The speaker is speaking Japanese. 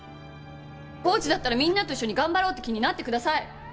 コーチだったらみんなと一緒に頑張ろうって気になってください！